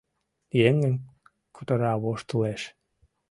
Еҥым кутыра, воштылеш.